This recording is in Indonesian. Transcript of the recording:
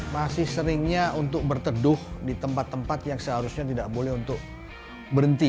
masih seringnya untuk berteduh di tempat tempat yang seharusnya tidak boleh untuk berhenti